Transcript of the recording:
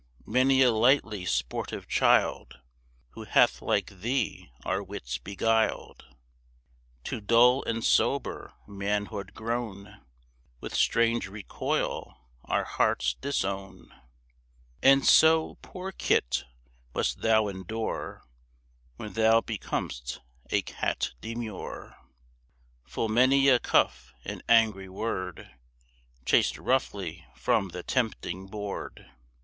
many a lightly sportive child, Who hath like thee our wits beguiled, To dull and sober manhood grown, With strange recoil our hearts disown. And so, poor kit! must thou endure, When thou becom'st a cat demure, Full many a cuff and angry word, Chased roughly from the tempting board.